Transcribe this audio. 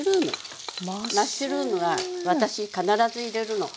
マッシュルームは私必ず入れるの。